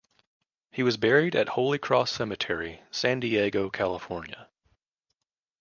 He was buried at Holy Cross Cemetery, San Diego, California.